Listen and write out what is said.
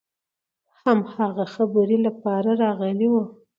هماغه خبرې لپاره راغلي وو.